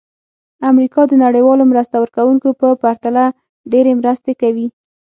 امریکا د نړیوالو مرسته ورکوونکو په پرتله ډېرې مرستې کوي.